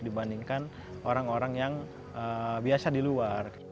dibandingkan orang orang yang biasa di luar